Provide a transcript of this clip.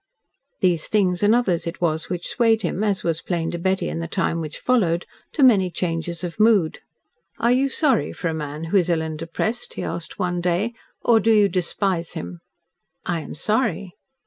These things and others it was which swayed him, as was plain to Betty in the time which followed, to many changes of mood. "Are you sorry for a man who is ill and depressed," he asked one day, "or do you despise him?" "I am sorry."